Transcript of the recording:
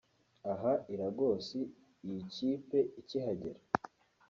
Aha i Lagos iyi kipe ikihagera